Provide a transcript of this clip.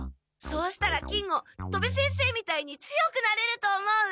そうしたら金吾戸部先生みたいに強くなれると思う！